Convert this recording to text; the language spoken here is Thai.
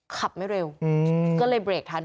ขับไม่เร็วก็เลยเบรกทัน